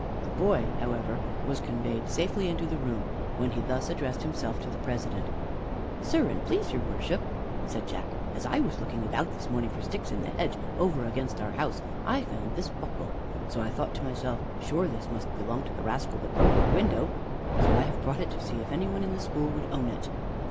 The boy, however, was conveyed safely into the room, when he thus addressed himself to the President: "Sir, and please your worship," said Jack, "as I was looking about this morning for sticks in the hedge over against our house, I found this buckle. So I thought to myself, 'Sure this must belong to the rascal that broke our window.' So I have brought it to see if any one in the school would own it."